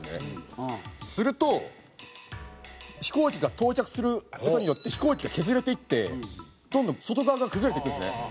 すると飛行機が到着する事によって飛行機が削れていってどんどん外側が崩れていくんですね。